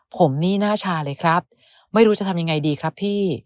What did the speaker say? ผมนี่หน้าชาเลยครับไม่รู้จะทำยังไงดีครับพี่